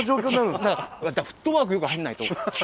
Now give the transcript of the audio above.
だからフットワークよく入んないと。